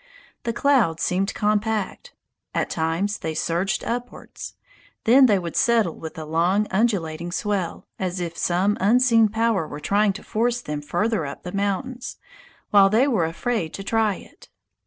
The clouds seemed compact; at times they surged upwards; then they would settle with a long, undulating swell, as if some unseen power were trying to force them further up the mountains, while they were afraid to try it.